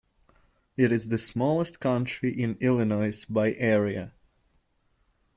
It is the smallest county in Illinois by area.